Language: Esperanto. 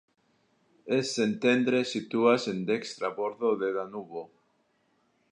Szentendre situas en dekstra bordo de Danubo.